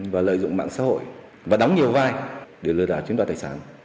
và lợi dụng mạng xã hội và đóng nhiều vai để lừa đảo chiếm đoạt tài sản